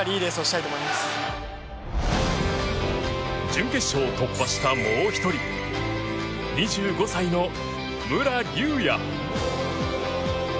準決勝を突破したもう１人２５歳の武良竜也。